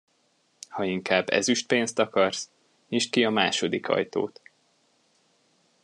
Ha inkább ezüstpénzt akarsz, nyisd ki a második ajtót.